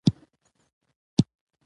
د قانوني تمې اصل د وګړو ملاتړ کوي.